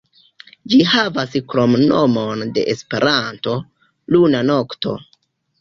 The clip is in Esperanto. Ĝi havas kromnomon de Esperanto, "Luna Nokto".